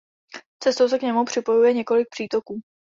Cestou se k němu připojuje několik přítoků.